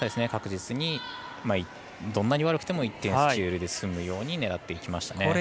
確実に、どんなに悪くても１点スチールで済むように狙っていきましたね。